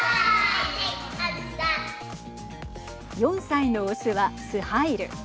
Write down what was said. ４歳の雄はスハイル。